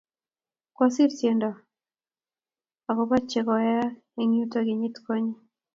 kwasir tiendo akobo che koyaak eng yutok kenyit konye